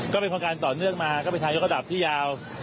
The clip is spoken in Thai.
ก็เป็นโครงการต่อเนื่องมาก็เป็นทายกระดับที่ยาว